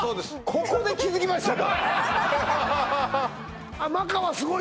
ここで気づきましたかあっ